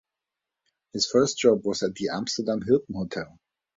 His first job was at the Amsterdam Hilton Hotel.